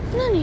何？